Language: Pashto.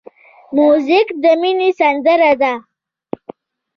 موزیک د مینې سندره ده.